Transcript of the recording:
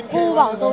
cứu bảo tồn